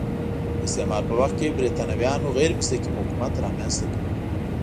د استعمار په وخت کې برېټانویانو غیر مستقیم حکومت رامنځته کړ.